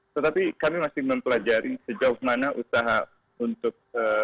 tetapi kami masih mempelajari sejauh mana usaha untuk